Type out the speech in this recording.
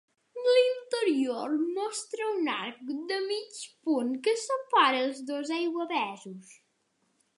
L’interior mostra un arc de mig punt que separa els dos aiguavessos.